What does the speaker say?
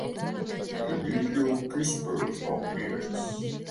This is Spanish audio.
Emilio Quispe Ramírez.